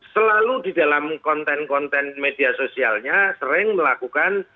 selalu di dalam konten konten media sosialnya sering melakukan